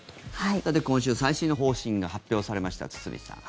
さて今週、最新の方針が発表されました、堤さん。